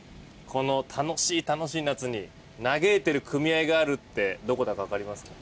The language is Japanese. この楽しい楽しい夏に嘆いてる組合があるってどこだかわかりますか？